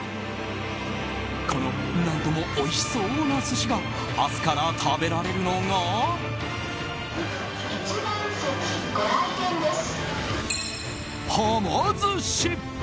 この何ともおいしそうな寿司が明日から食べられるのが。はま寿司！